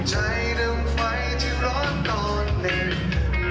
ก็ดีกว่าชิ้นมันยอดอยู่ในหลัง